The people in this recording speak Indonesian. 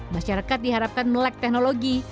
masyarakat diharapkan melek teknologi